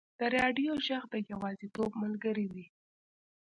د راډیو ږغ د یوازیتوب ملګری وي.